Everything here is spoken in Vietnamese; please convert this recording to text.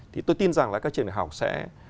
thì tôi tin rằng là các trường đại học sẽ